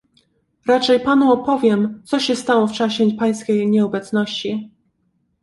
"Raczej panu opowiem, co się stało w czasie pańskiej nieobecności."